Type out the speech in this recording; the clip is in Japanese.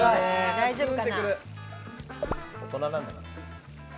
大人なんだから。